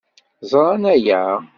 Ẓran aya.